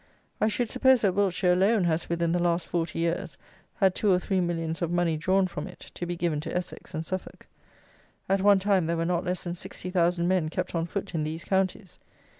I should suppose that Wiltshire alone has, within the last forty years, had two or three millions of money drawn from it, to be given to Essex and Suffolk. At one time there were not less than sixty thousand men kept on foot in these counties.